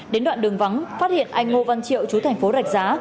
đến đoạn đường vắng phát hiện anh ngô văn triệu chú thành phố rạch giá